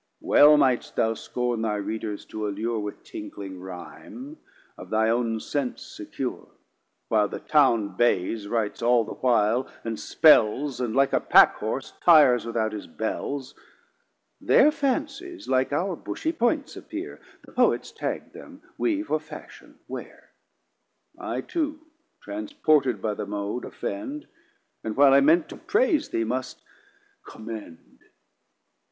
Well mightst thou scorn thy Readers to allure With tinkling Rhime, of thy own sense secure; While the Town Bayes writes all the while and spells, And like a Pack horse tires without his Bells: Their Fancies like our Bushy points appear, The Poets tag them, we for fashion wear. I too transported by the Mode offend, And while I meant to Praise thee must Commend.